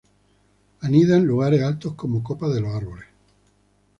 Anida en lugares altos como copas de árboles.